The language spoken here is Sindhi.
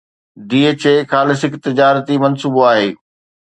DHA خالص هڪ تجارتي منصوبو آهي.